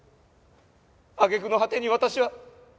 揚げ句の果てに私は。